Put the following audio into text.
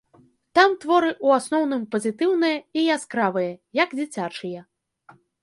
Там творы ў асноўным пазітыўныя і яскравыя, як дзіцячыя.